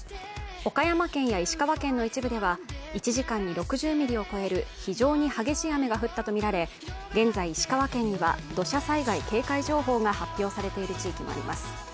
岡山県や石川県の一部では１時間に６０ミリを超える非常に激しい雨が降ったとみられ、現在、石川県には土砂災害警戒情報が発表されている地域もあります。